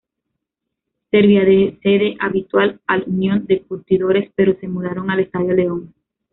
Servía de sede habitual al Unión de Curtidores, pero se mudaron al Estadio León.